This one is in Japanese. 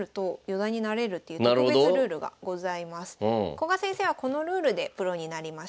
古賀先生はこのルールでプロになりました。